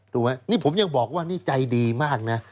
ถูกไหมนี่ผมยังบอกว่านี่ใจดีมากนะ